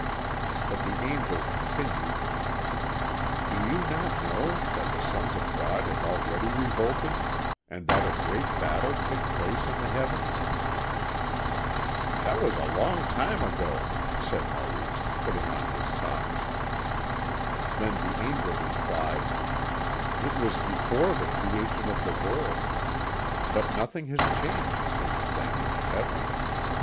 But the Angel continued: "Do you not know that the sons of God have already revolted and that a great battle took place in the heavens?" "That was a long time ago," said Maurice, putting on his socks. Then the Angel replied: "It was before the creation of the world. But nothing has changed since then in the heavens.